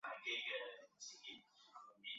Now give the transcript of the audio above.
求米草粉虱为粉虱科草粉虱属下的一个种。